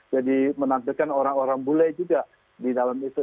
jadi menantikan orang orang bule juga di dalam itu